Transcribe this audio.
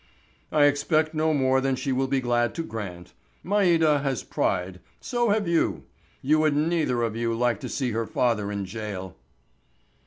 "I expect no more than she will be glad to grant. Maida has pride—so have you. You would neither of you like to see her father in jail."